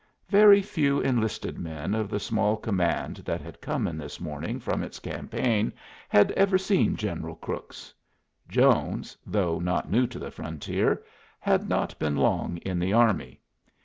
Very few enlisted men of the small command that had come in this morning from its campaign had ever seen General Crook. Jones, though not new to the frontier, had not been long in the army.